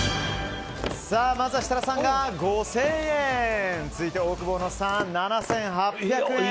まずは設楽さんが５０００円。続いてオオクボーノさん７８００円。